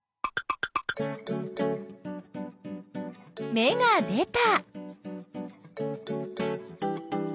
芽が出た！